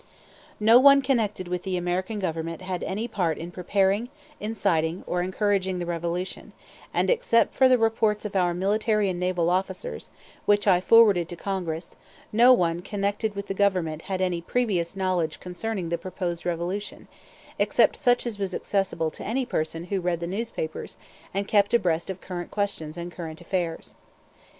No one connected with the American Government had any part in preparing, inciting, or encouraging the revolution, and except for the reports of our military and naval officers, which I forwarded to Congress, no one connected with the Government had any previous knowledge concerning the proposed revolution, except such as was accessible to any person who read the newspapers and kept abreast of current questions and current affairs.